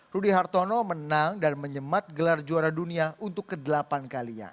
rudy hartono menang dan menyemat gelar juara dunia untuk ke delapan kalinya